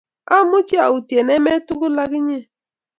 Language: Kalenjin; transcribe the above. Amuchi autie emet tugul ak inye